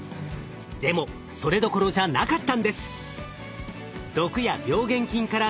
でもそれどころじゃなかったんです！